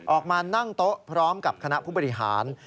ออกมานั่งโต๊ะพร้อมกับคณะผู้บริหาร